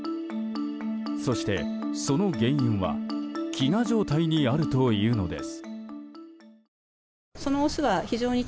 そして、その原因は飢餓状態にあるというのです。